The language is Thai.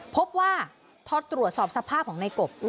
พบว่าพอตรวจสอบสภาพของในกบ